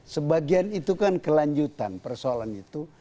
sebagian itu kan kelanjutan persoalan itu